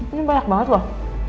ini belak banget mbak